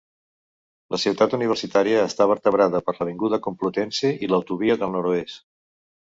La Ciutat Universitària està vertebrada per l'Avinguda Complutense i l'autovia del Nord-oest.